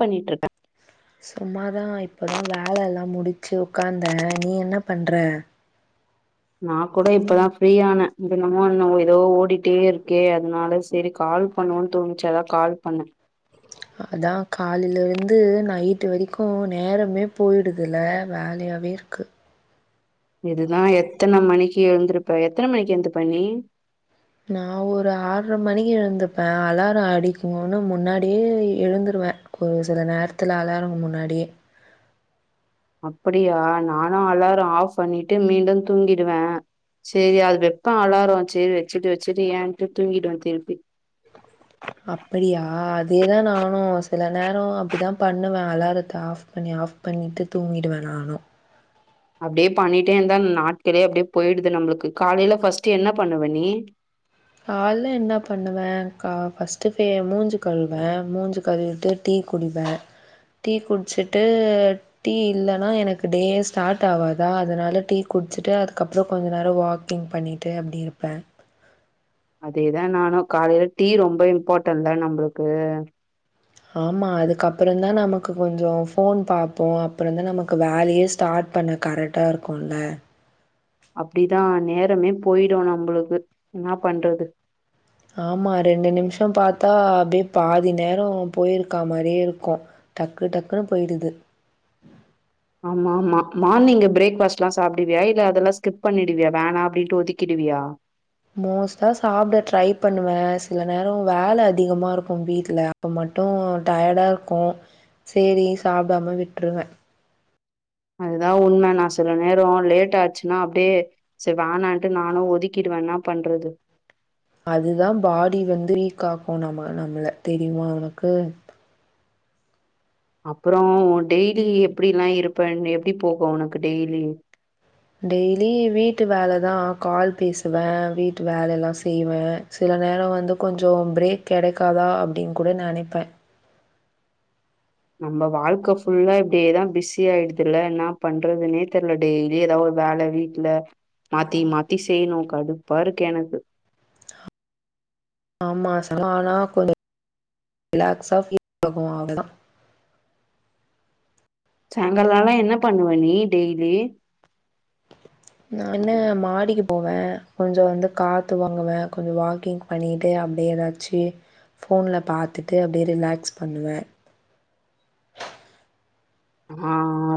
பண்ணிட்ருக்கே சும்மாதா இப்பதா வேலெல்லா முடிச்சி உக்காந்தே நீ என்ன பண்ற நாக்கூட இப்பதா ஃப்ரீயானே தினமு என்னவ் ஏதோ ஓடிட்டே இருக்கே அதுனால செரி கால் பண்ணுவோன் தோணிச்சி அதா கால் பண்ணெ அதா காலைல இந்து நைட்டு வரைக்கு நேரமே போயிடுதுல வேலையாவேருக்கு இதுதா எத்தன மணிக்கு எழுந்ருப்ப எத்தன மணிக்கு எந்துப்ப நீ நா ஒரு ஆர்ர மணிக்கு எழுந்துப்பே அலாரொ அடிக்கூனு முன்னாடியே எழுந்துருவே ஒரு சில நேரத்துல அலாரம் முன்னாடியே அப்பிடியா நானு அலாரொ ஆஃப் பண்ணிட்டு மீண்டு தூங்கிடுவே சேரி அது வெப்பொ அலாரொ சேரி வெச்சிட்டு வெச்சிட்டு ஏன்ட்டு தூங்கிடுவே திருப்பி அப்பிடியா அதேதா நானூ சில நேரோ அப்டிதா பண்ணுவே அலாரத்த ஆஃப் பண்ணி ஆஃப் பண்ணிட்டு தூங்கிடுவே நானு அப்டியே பண்ணிட்டே இந்தா நாட்கெளே அப்டியே பொயிடுது நம்ளுக்கு காலைல ஃபஸ்ட்டு என்ன பண்ணுவ நீ கால்ல என்னா பண்ணுவே கா ஃபர்ஸ்ட்டு ஃபே மூஞ்சி கழுவே மூஞ்சு கழுவிட்டு டீ குடிப்பே டீ குடிச்சிட்டு டீ இல்லனா எனக்கு டேயே ஸ்டாட் ஆவாதா அதனால டீ குடிச்சிட்டு அதுக்கப்றொ கொஞ்ச நேரொ வாக்கிங் பண்ணிட்டு அப்டி இருப்பே அதேதா நானு காலைல டீ ரொம்ப இம்பார்ட்டன்ல நம்ப்ளுக்கு ஆமா அதுக்கப்றொந்தா நமக்கு கொஞ்சொ போன் பாப்போ அப்றொந்தா நமக்கு வேலையே ஸ்டார்ட் பண்ண கரெக்டா இருக்குல்ல அப்டிதா நேர் ரமே பொயிடு நம்ப்ளுக்கு என்னா பண்றது ஆமா ரெண்டு நிம்ஷொ பாத்தா அப்டே பாதி நேரொ பொயிருக்கா மாரியேருக்கு டக்கு டக்குனு பொயிடுது ஆமா ஆமா மார்னிங்கு பிரேக்ஃபாஸ்ட்லா சாப்டுவியா இல்ல அதெல்லா ஸ்கிப் பண்ணிடுவியா வேணா அப்டின்ட்டு ஒதிக்கிடுவியா மோஸ்ட்டா சாப்ட ட்ரை பண்ணுவே சில நேரொ வேல அதிகமாருக்கு வீட்ல அப்ப மட்டு டயர்டா இருக்கு சேரி சாப்டாம விட்ருவே அதுதா உண்ம நா சில நேரோ லேட் ஆச்சுனா அப்டியே செ வேணான்ட்டு நானு ஒதுக்கிடுவே என்னா பண்றது அதுதா பாடி வந்து வீக் ஆக்கு நம நம்மள தெரியுமா உனக்கு அப்புறோ டெய்லி எப்டில்லா இருப்பென் எப்டி போகு உனக்கு டெய்லி டெய்லி வீட்டு வேலதா கால் பேசுவே வீட்டு வேலைலா செய்வே சில நேரொ வந்து கொஞ்சொ பிரேக் கெடைக்காதா அப்டின் கூட நெனைப்பே நம்ம வாழ்க்க ஃபுல்லா இப்டியேதா பிஸியாய்டுதுல னா பண்றதுனே தெர்ல டெய்லி ஏதாவொரு வேல வீட்ல மாத்தி மாத்தி செய்ணு கடுப்பாருக்கு எனக்கு ஆமாச ஆனா கொஞ் ரிலாக்ஸா ஃபீல் ஆகு அவ்ளொதா சாங்காலாலா என்ன பண்ணுவ நீ டெய்லி நான்னு மாடிக்கு போவே கொஞ்சொ வந்து காத்து வாங்குவே கொஞ்சொ வாக்கிங் பணீட்டு அப்டியெதாச்சி போன்ல பாத்துட்டு அப்டியே ரிலேக்ஸ் பண்ணுவே ஆ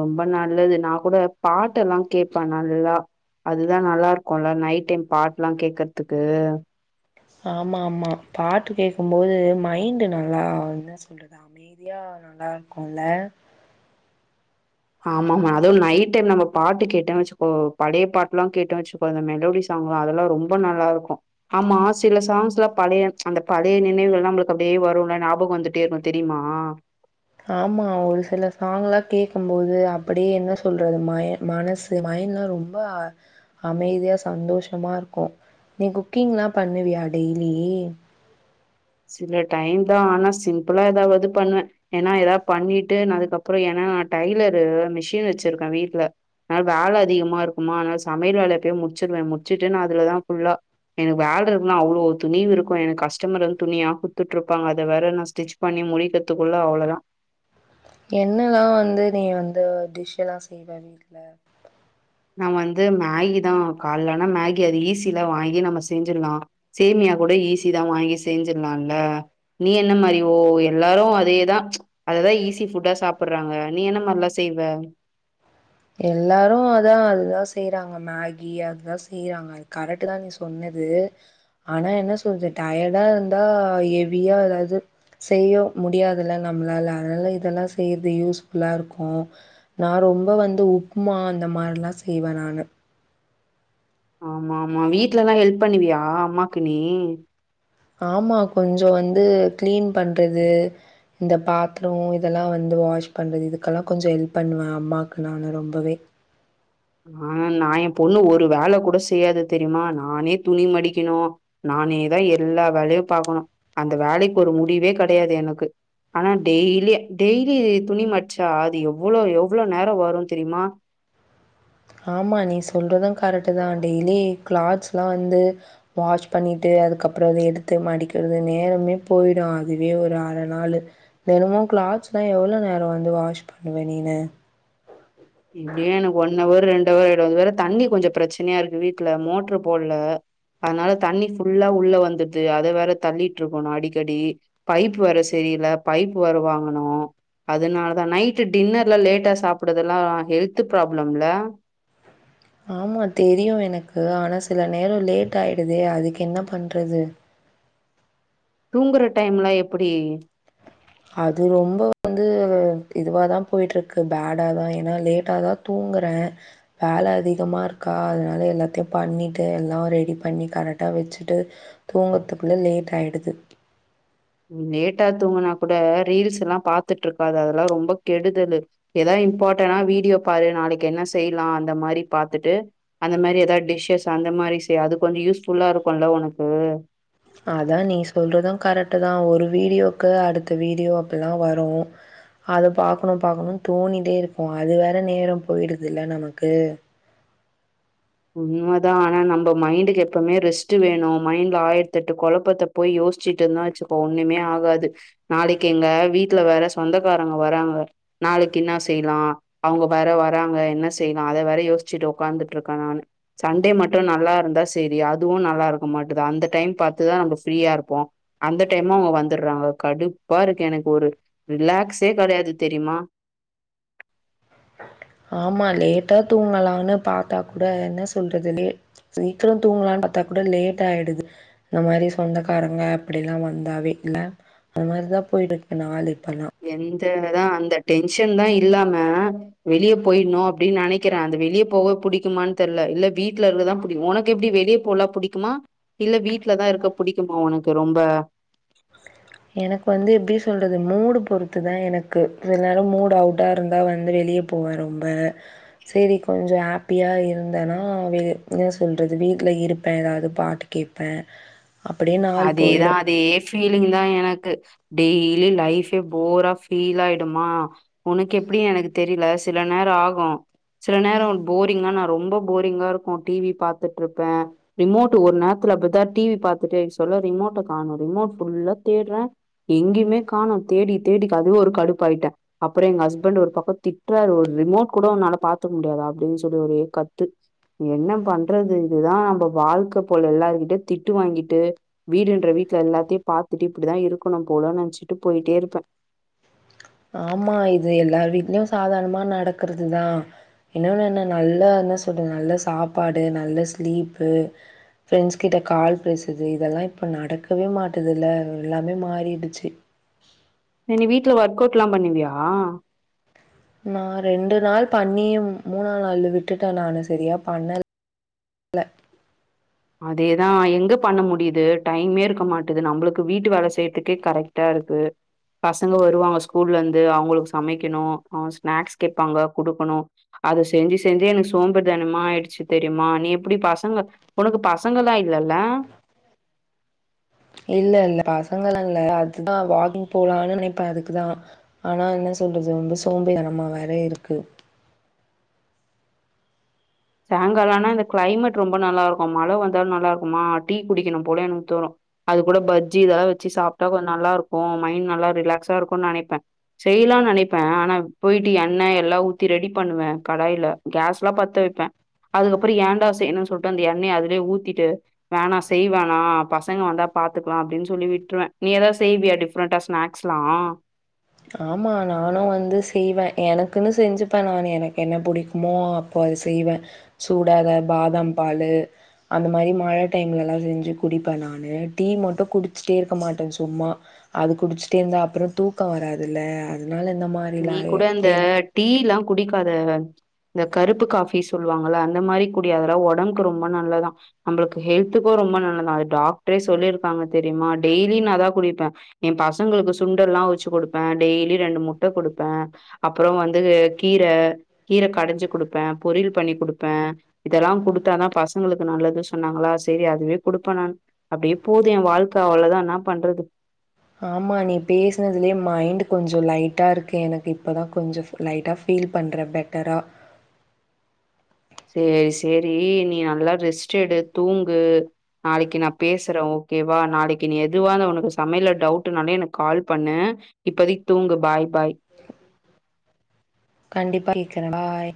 ரொம்ப நல்லது நான் கூட பாட்டெல்லா கேட்பே நல்லா அதுதா நல்லாருக்குல நைட் டைம் பாட்லா கேக்கர்துக்கு ஆமா ஆமா பாட்டு கேக்கும்போது மைண்ட்டு நல்லா என்னா சொல்றது அமைதியா நல்லார்க்கூல ஆமாமா அதுவு நைட் டைம் நம்ம பாட்டு கேட்டே வச்சுக்கோ பழைய பாட்லா கேட்டே வச்சுக்கோ அந்த மெலோடி சாங்லா அதெல்லா ரொம்ப நல்லாருக்கு ஆமா சில சாங்ஸ்லா பழைய அந்த பழைய நினைவுகள் நம்ளுக் அப்டியே வருல்ல நாபகொ வந்துட்டே இருக்கு தெரியுமா ஆமா ஒரு சில சாங்லா கேட்கும்போது அப்டி என்ன சொல்றது மை மனசு மைண்ல்லா ரொம்ப அமைதியா சந்தோஷமா இருக்கு நீ குக்கிங்லா பண்ணுவியா டெய்லீ சில டைம் தா ஆனா சிம்ப்புளா ஏதாவது பண்வே ஏன்னா எதா பண்ணிட்டு நா அதுக்கப்றொ ஏனா டைலரூ மிஷின் வச்சிருக்கே வீட்ல அ வேல அதிகமா இருக்குமா அனால சமையல் வேலைய போய் முடிச்சிருவே முடிச்சிட்டு நா அதுலதா ஃபுல்லா எனக்கு வேல்ருக்குனு அவ்ளோ துணிவு இருக்கு எனக் கஸ்டமர் வந் துணியா குட்த்துட்ருப்பாங்க அத வேற நா ஸ்டிச் பண்ணி முடிக்கத்துக்குள்ள அவ்வளொதா என்னலா வந்து நீ வந்து டிஷ் எல்லா செய்வ வீட்ல நா வந்து மேகி தா கால்லனா மேகி அது ஈஸில வாங்கி நம்ம செஞ்சிட்லா சேமியா கூட ஈஸி தா வாங்கிஸ் செஞ்சிட்லால்ல நீ என்ன மாரி ஓ எல்லாரு அதேதா அததா ஈஸி ஃபுட்டா சாப்புட்றாங்க நீ என்ன மார்லா செய்வ எல்லாரு அதா அதுதா செய்றாங்க மேகி அதுதா செய்றாங்க அது கரெட்டுதா நீ சொன்னது ஆனா என்ன சொல்து டயர்டா இருந்தா எவியா எதாது செய்ய முடியாதுல நம்ளால அனால இதெல்லா செய்றது யூஸ்ஃபுல்லா இருக்கு நா ரொம்ப வந் து உப்ம்மா அந்த மாரிலா செய்வெ நானு ஆமா ஆமா வீட்லல்லா ஹெல்ப் பண்ணுவியா அம்மாக்கு நீ ஆமா கொஞ்சொ வந்து கிளீன் பண்றது இந்த பாத்ரு இதலா வந்து வாஷ் பண்றது இதுக்கெல்லா கொஞ்சொ ஹெல்ப் பண்ணுவே அம்மாக்கு நானு ரொம்பவே ஆ நா ஏ பொண்ணு ஒரு வேல கூட செய்யாது தெரியுமா நானே துணி மடிக்கணு நானேதா எல்லா வேலையு பாக்கணு அந்த வேலைக்கு ஒரு முடிவே கெடையாது எனக்கு ஆனா டெய்லி டெய்லீ துணி மட்ச்சா அது எவ்வளொ எவ்ளொ நேரொ வரு தெரியுமா ஆமா நீ சொல்றது கரெட்டு தா டெய்லி கிளாத்ஸ்லா வந்து வாஷ் பண்ணிட்டு அதுக்கப்றொ அத எடுத்து மடிக்றது நேரமே போய்டு அதுவே ஒரு அர நாளு தெனமு கிளாத்ஸ்ல்லா எவ்ளொ நேரொ வந்து வாஷ் பண்ணுவ நீனு இப்டியே எனக்கு ஒன்னவர் ரெண்டுவர் ஆய்டு அதுவேற வேற தண்ணி கொஞ்சொ ப்ரச்சனயா இருக்கு வீட்ல மோட்ரு போட்ல அதனால தண்ணி ஃபுல்லா உள்ள வந்துட்து அத வேற தள்ளிட்ருக்கணு அடிக்கடி பைப் வேர சரியில பைப் வேற வாங்கணு அதனாலதா நைட்டு டின்னர்ல லேட்டா சாப்புடதுலா ஹெல்த்து ப்ராப்ளம்ல ஆமா தெரியும் எனக்கு ஆனா சில நேரம் லேட் ஆயிடுதே அதுக்கு என்ன பண்றது தூங்குற டைம்ல எப்டி அது ரொம்ப வந்து இதுவாதான் போய்ட்டு இருக்கு பேடா தான் ஏன்னா லேட்ட தான் தூங்குறேன் வேலை அதிகமா இருக்கா அதனால எல்லாத்தையும் பண்ணிட்டு எல்லாம் ரெடி பண்ணி கரெக்டா வெச்சுட்டு தூங்குறதுக்குள்ள லேட் ஆயிடுது லேட்டா தூங்கன்னா கூட ரீல்ஸ் எல்லாம் பார்த்துட்டு இருக்காத அதெல்லாம் ரொம்ப கெடுதலு எதாவது இம்பார்ட்டனா வீடியோ பாரு நாளைக்கு என்ன செய்யலாம் அந்த மாதிரி பாத்துட்டு அந்த மாதிரி எதாவது டிஷ்ஷஸ் அந்த மாதிரி செய் அது கொஞ்சம் யூஸ்ஃபுல்லா இருக்கும்ல உனக்கு அதான் நீ சொல்றதான் கரெக்ட ட்டு தான் ஒரு வீடியோக்கு அடுத்த வீடியோ அப்பல்லாம் வரும் அத பாக்கணும் பாக்கணும்னு தோணிட்டே இருக்கும் அது வேற நேரம் போயிடுது இல்ல நமக்கு உண்மதான் ஆனா நம்ம மைண்டுக்கு எப்பவுமே ரெஸ்ட் வேணும் மைண்ட்ல ஆயிரத்தி எட்டு கொழப்பத்தை போய் யோசிச்சுட்டு இருந்தான் வச்சுக்கோம் ஒண்ணுமே ஆகாது நாளைக்கு எங்க வீட்டுல வேற சொந்தக்காரங்க வராங்க நாளைக்கு என்ன செய்யலாம் அவங்க வேற வராங்க என்ன செய்யலாம் அத வேற யோசிச்சுட்டு உட்காந்துட்டு இருக் காம் சண்டே மட்டும் நல்லா இருந்தா செரி அதுவும் நல்லா இருக்க மாட்டிது அந்த டைம் பார்த்துதான் நம்ம ஃப்ரீயா இருப்போம் அந்த டைமு அவங்க வந்துடுறாங்க கடுப்பா இருக்கு எனக்கு ஒரு ரிலாக்ஸே கெடையாது தெரியுமா ஆமா லேட்டா தூங்கலாம்னு பார்த்தா கூட என்ன சொல்றது லெ சீக்கிரம் தூங்கலான்னு பார்த்தா கூட லேட் ஆயிடுது இந்த மாதிரி சொந்தக்காரங்க அப்படில்லாம் வந்தாவே இல்ல அந்த மாதிரிதான் போயிருக்கேன் நாலு எந்த தா அந்த டென்ஷன் தான் இல்லாம வெளிய போயிர்ணும் அப்படின்னு நெனைக்கிறேன் அந்த வெளியே போக புடிக்குமானு தெரியல இல்ல வீட்டுல இருக்கதான் புடிக்கும் உனக்கு எப்படி வெளியே போலாம் புடிக்குமா இல்ல வீட்டுலதான் இருக்க புடிக்குமா உனக்கு ரொம்ப எனக்கு வந்து எப்படி சொல்றது மூடு பொறுத்துதான் எனக்கு சில நேரம் மூடு அவுட்டா இருந்தா வந்து வெளியே போவேன் ரொம்ப செரி கொஞ்சம் ஹாப்பியா இருந்தேன்னா வெ என்ன சொல்றது வீட்டுல இருப்பேன் ஏதாவது பாட்டு கேட்பேன் அப்படியே நாள் அதேதான் போய்டும் அதே ஃபீலிங் தான் எ க்கு டெய்லி லைஃபே போரா ஃபீல் ஆயிடுமா உனக்கு எப்படினு எனக்கு தெரில சில நேரம் ஆகும் சில நேரம் போரிங்கான ரொம்ப போரிங்கா இருக்கும் டிவி பார்த்துட்டு இருப்பேன் ரிமோட் ஒரு நேரத்துல அப்படிதான் டிவி பார்த்துட்டு ரிமோட்ட காணும் ரிமோட் ஃபுல்லா தேடுறேன் எங்கயுமே காணோ தேடி தேடி அதுவே ஒரு கடுப்புாயிட்டேன் அப்புறம் எங்க ஹஸ்பண்ட் ஒரு பக்கம் திட்டுறாரு ஒரு ரிமோட் கூட உன்னால பார்த்துக்க முடியாதா அப்படின்னு சொல்லி ஒரே கத்து என்ன பண்றது இதுதான் நம்ம வாழ்க்க போல எல்லாரு கிட்டயு திட்டு வாங்கிட்டு வீடுன்ற வீட்ல எல்லாத்தையு பார்த்துட்டு இப்படிதான் இருக்கணும் போலும்னுு நினைச்சிட்டு போயிட்டே இருப்பேன் ஆமா இது எல்லார் வீட்லயும் சாதாரணமா நடக்கறதுதான் என்னன்னு என்ன நல்லா என்ன சொல்றது நல்ல சாப்பாடு நல்ல ஸ்லீப்பு ஃப்ரெண்ட்ஸ் கிட்ட கால் பேசுது இதெல்லாம் இப்ப நடக்கவே மாட்டது இல்ல எல்லாமே மாறிடுச்சு நீ வீட்டுல ஒர்க் அவுட் லாம் பண்ணுவியா நான் ரெண்டு நாள் பண்ணியே மூணா நாள் விட்டுட்டேன் நானு செரியா பண்ண ல அதேதான் எங்க பண்ண முடியுது டைமே இருக்க மாட்டுது நம்பளுக்கு வீட்டு வேல செய்யறதுக்கே கரெக்டா இருக்கு பசங்க வருவாங்க ஸ்கூல்ல இருந்து அவங்களுக்கு சமைக்கணும் அவங்க ஸ்நாக்ஸ் கேட்பாங்க குடுக்கணும் அத செஞ்சு செஞ்செ எனக்கு சோம்பேறி தானமா ஆயிடுச்சு தெரியுமா நீ எப்படி பசங்க உனக்கு பசங்களா இல்லல்ல இல்ல இல்ல பசங்கள இல்ல அதுதான் வாக்கிங் போலான்னு நினைப்ப அதுக்குதான் ஆனா என்ன சொல்றது ரொம்ப சோம்பு தனமா வேற இருக்கு சாயங்காலம் ஆனா இந்த கிளைமேட் ரொம்ப நல்லா இருக்கும் மழை வந்தாலும் நல்லா இருக்குமா டீ குடிக்கணும் போல எனக்கு தோனும் அது கூட பஜ்ஜி இதெல்லாம் வெச்சு சாப்பிட்டா கொஞ்சம் நல்லா இருக்கும் மைண்ட் நல்லா ரிலாக்ஸா இருக்கும் நெனைப்பேன் செய்யலாம்னு நினைப்பேன் ஆனா போயிட்டு எண்ணெய் எல்ல ஊத்தி ரெடி பண்ணுவேன் கடாயில கேஸ் எல்லாம் பத்து வெப்பேன் அதுக்கப்புறம் ஏண்டா செய்ணு சொல்லிட்டு அந்த எண்ணெய் அதுலயே ஊத்திட்டு வேணா செய்வேனா பசங்க வந்தா பாத்துக்கலாம் அப்படின்னு சொல்லி விட்டுருவேன் நீ எதா செய்வியா டிஃப்ரெண்டண்டா ஸ்நாக்ஸ்லாம் ஆமா, நானும் வந்து செய்வேன் எனக்குன்னு செஞ்சுப்பேன் நான் எனக்கு என்ன பிடிக்குமோ அப்போ அத செய்வேன் சூடா பாதாம் பால் அந்த மாதிரி மழை டைம்லலாம் செஞ்சு குடிப்பேன் நானு டீ மட்டும் குடிச்சிட்டே இருக்க மாட்டேன் சும்மா அது குடிச்சிட்டே இருந்தா அப்புறம் தூக்கம் வராதுல அதனால நீ மாரிலாம் கூட இந்த எ டீ எல்லாம் குடிக் அத இந்த கருப்பு காபி சொல்லுவாங்கள அந்த மாதிரி குடிய அதெல்லாம் உடம்புக்கு ரொம்ப நல்லதான் நம்மளுக்கு ஹெல்த்துக்கும் ரொம்ப நல்லதான் அது டாக்டரே சொல்லியிருக்காங்க தெரியுமா டெய்லி நான் அதான் குடிப்பேன் என் பசங்களுக்கு சுண்டெ எல்லாம் வச்சு குடுப்பேன் டெய்லி ரெண்டு மு ட்ட குடுப்பேன் அப்புறம் வந்து கீர கீர கடைஞ்சு கொடுப்பேன் பொரியல் பண்ணி கொடுப்பேன் இதெல்லாம் கொடுத்தாாதான் பசங்களுக்கு நல்லது சொன்னாங்களா செரி அதுவே கொடுப்பேன் நான் அப்படியே போதும் என் வாழ்க்க அவளதான் என்ன பண்றது ஆமா நீ பேசினதுலே மைண்ட் கொஞ்சம் லைட்டா இருக்கு எனக்கு இப்பதான் கொஞ்சம் லைட்டா ஃபீல் பண்ற பெட்டரா செரி செரி நீ நல்லா ரெஸ்ட் எடு தூங்கு நாளைக்கு நான் பேசுறேன் ஓகேவா நாளைக்கு நீ எதுவா உனக்கு சமையல டவுட்னாலே எனக்கு கால் பண்ணு இப்பதைக்கு தூங்கு பாய் பாய். கண்டிப்பா பாய்